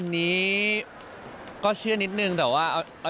อันนี้ก็เชื่อนิดนึงแต่ว่า